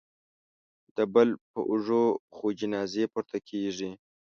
د بل په اوږو خو جنازې پورته کېږي